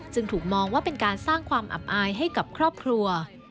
จึงถูกมองว่าเป็นการสร้างความอับอายให้กับครอบครัว